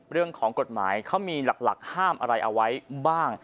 เรื่องของกฎหมายเขามีหลักห้ามอะไรเอาไว้บ้าง